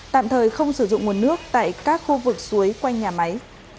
tạm thời không sử dụng nguồn nước tại các khu vực suối quanh nhà máy